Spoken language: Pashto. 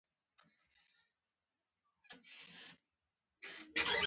چا چې وعده کړي وه، هغه انتظار ونه کړ